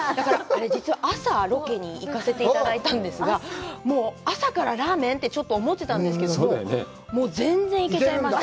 実は、朝からロケに行かせていただいたんですが、もう朝からラーメン？ってちょっと思ってたんですけど、全然いけちゃいました。